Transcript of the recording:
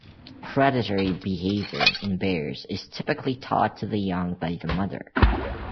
Predatory behaviour in bears is typically taught to the young by the mother.